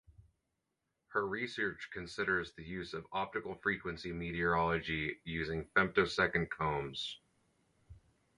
Her research considers the use of optical frequency metrology using femtosecond combs.